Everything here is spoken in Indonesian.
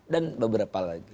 dan beberapa lagi